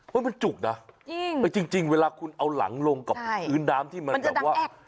เฮ้ยมันจุกน่ะจริงจริงจริงเวลาคุณเอาหลังลงกับอื่นดามที่มันแบบว่า